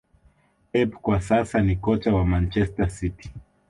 pep kwa sasa ni kocha wa Manchester City